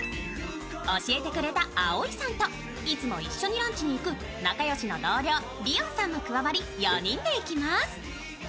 教えてくれたあおいさんといつも一緒にランチに行く仲良しの同僚、りおんさんも加わり、４人で行きます。